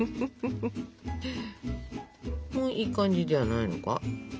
もういい感じじゃないのか？